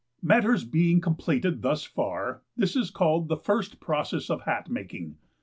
Matters being completed thus far, this is called the first process of Hat making.